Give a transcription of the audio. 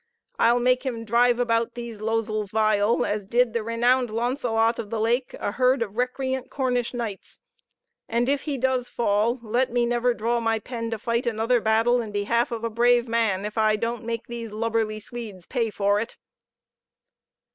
I'll make him drive about these losels vile, as did the renowned Launcelot of the Lake a herd of recreant Cornish knights; and if he does fall, let me never draw my pen to fight another battle in behalf of a brave man, if I don't make these lubberly Swedes pay for it.